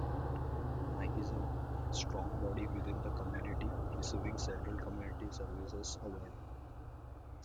Mike is a strong body within the community receiving several community service awards.